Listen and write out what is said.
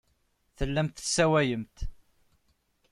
Tellamt tessewwayemt.